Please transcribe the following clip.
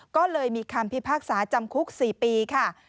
ก็เลยมีคำพิพากษาจำคุก๔ปีค่ะ